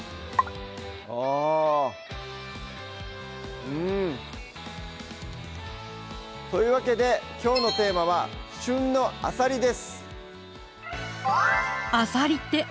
あうんというわけできょうのテーマは「旬のあさり」です